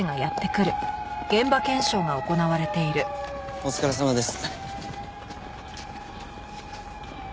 お疲れさまです。